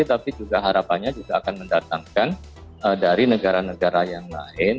tapi juga harapannya juga akan mendatangkan dari negara negara yang lain